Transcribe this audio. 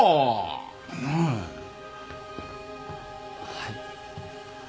はい。